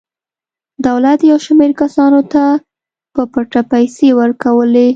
دولت یو شمېر کسانو ته په پټه پیسې ورکولې.